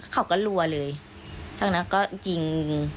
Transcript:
เขาก็ลัวเลยตั้งนั้นก็ยิง